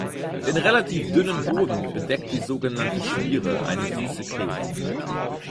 Den relativ dünnen Boden bedeckt die sogenannte Schmiere, eine süße Creme.